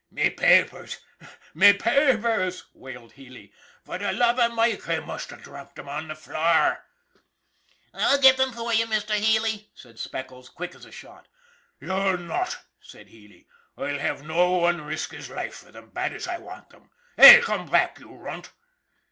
" Me papers ! Me papers !" wailed Healy. " Per the love av Mike, I must av dropped thim on the flure!" " I'll get them for you, Mr. Healy," said Speckles, quick as a shot. "You'll not!" said Healy. "I'll have no wan risk his life fer thim, bad as I want thim. Hey, come back, you runt